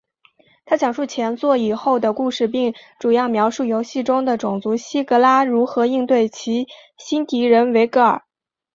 它讲述前作以后的故事并主要描述游戏中的种族希格拉如何应对其新敌人维格尔。